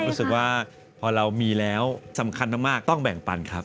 รู้สึกว่าพอเรามีแล้วสำคัญมากต้องแบ่งปันครับ